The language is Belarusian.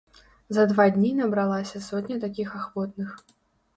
За два дні набралася сотня такіх ахвотных.